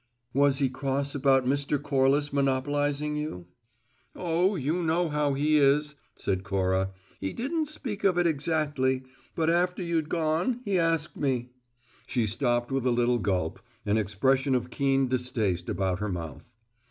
"Was he cross about Mr. Corliss monopolizing you?" "Oh, you know how he is," said Cora. "He didn't speak of it exactly. But after you'd gone, he asked me " She stopped with a little gulp, an expression of keen distaste about her mouth.